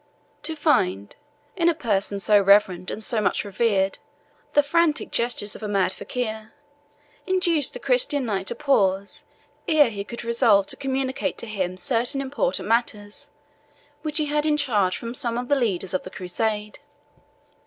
To find, in a person so reverend and so much revered, the frantic gestures of a mad fakir, induced the Christian knight to pause ere he could resolve to communicate to him certain important matters, which he had in charge from some of the leaders of the Crusade.